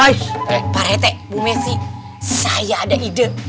eh pak rt bu messi saya ada ide